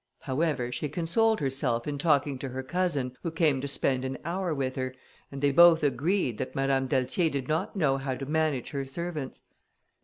However, she consoled herself in talking to her cousin, who came to spend an hour with her, and they both agreed that Madame d'Altier did not know how to manage her servants.